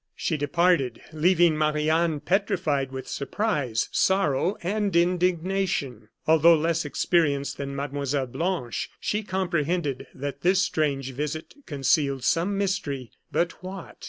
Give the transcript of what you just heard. She departed, leaving Marie Anne petrified with surprise, sorrow, and indignation. Although less experienced than Mlle. Blanche, she comprehended that this strange visit concealed some mystery but what?